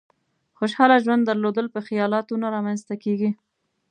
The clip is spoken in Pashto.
خوشحاله ژوند درلودل په خيالاتو نه رامېنځ ته کېږي.